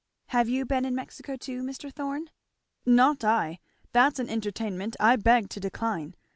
"Have you been in Mexico too, Mr. Thorn?" "Not I! that's an entertainment I beg to decline.